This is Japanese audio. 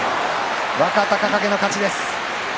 若隆景の勝ちです。